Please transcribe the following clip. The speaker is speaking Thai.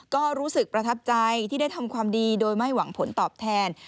ก็รู้สึกประทับใจที่ได้ทำความดีโดยไม่หวังผลตอบแทน